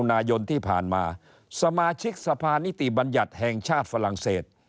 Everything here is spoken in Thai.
นายนที่ผ่านมาสมาชิกสภานิติบัญญัติแห่งชาติฝรั่งเศส